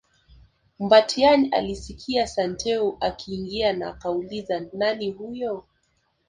Mbatiany alisikia Santeu akiingia na akauliza nani huyo